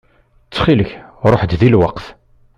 Ttxil-k ṛuḥ-d di lweqt.